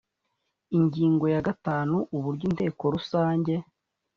Ingingo ya gatanu Uburyo Inteko Rusange